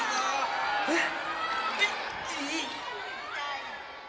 えっ？